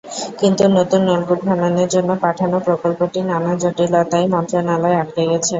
কিন্তু নতুন নলকূপ খননের জন্য পাঠানো প্রকল্পটি নানা জটিলতায় মন্ত্রণালয়ে আটকে আছে।